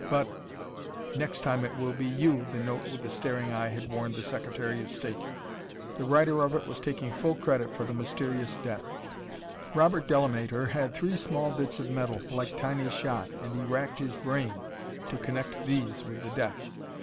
But: "... next time it will be you," the note with the staring eye had warned the Secretary of State. The writer of it was taking full credit for the mysterious death. Robert Delamater had three small bits of metal, like tiny shot, and he racked his brain to connect these with the death.